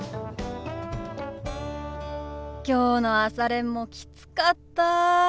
きょうの朝練もきつかった。